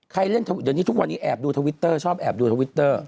ใครเล่นทุกวันนี้แอบดูทวิตเตอร์ชอบแอบดูทวิตเตอร์